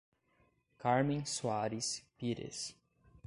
Carmem Soares Pires